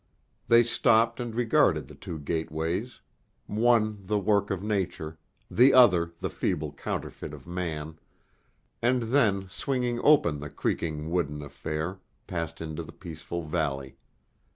They stopped and regarded the two gateways, one the work of nature, the other the feeble counterfeit of man, and then swinging open the creaking wooden affair, passed into the peaceful valley.